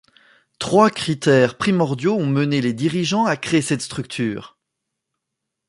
Trois critères primordiaux ont mené les dirigeants à créer cette structure.